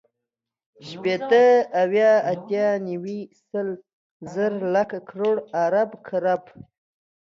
شپېته، اويا، اتيا، نيوي، سل، زر، لک، کروړ، ارب، کرب